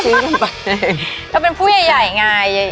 ใช่เราก็เป็นผู้ใหญ่ไง